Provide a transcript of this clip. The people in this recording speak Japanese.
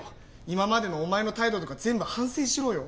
今までのお前の態度とか全部反省しろよ。